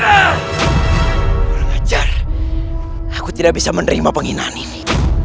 orang acar aku tidak bisa menerima penghinaan ini